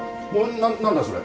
な何だそれ。